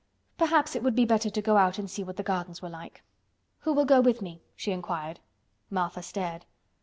Perhaps it would be better to go and see what the gardens were like. "Who will go with me?" she inquired. Martha stared.